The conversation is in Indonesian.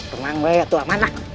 tenang be atu aman lah